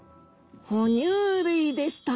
哺乳類でした。